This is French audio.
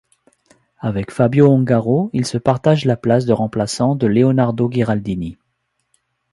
Avec Fabio Ongaro, ils se partagent la place de remplaçant de Leonardo Ghiraldini.